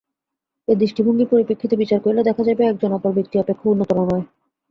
এই দৃষ্টিভঙ্গীর পরিপ্রেক্ষিতে বিচার করিলে দেখা যাইবে, একজন অপর ব্যক্তি অপেক্ষা উন্নততর নয়।